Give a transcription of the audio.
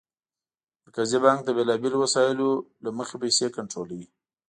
مرکزي بانک د بېلابېلو وسایلو له مخې پیسې کنټرولوي.